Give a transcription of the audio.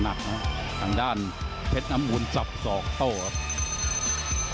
แดดหนักถังด้านเจ้น้ำมูลจับสอกโต้ครับ